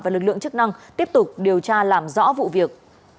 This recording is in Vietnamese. và lực lượng chức năng tiếp tục điều tra làm rõ vụ việc